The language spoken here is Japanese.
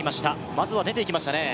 まずは出ていきましたね